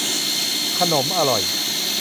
ขนมอร่อย